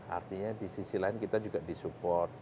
artinya di sisi lain kita juga di support